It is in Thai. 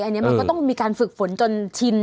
อันนี้มันก็ต้องมีการฝึกฝนจนชิน